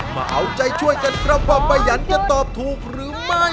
มาเอาใจช่วยกันครับว่าป้ายันจะตอบถูกหรือไม่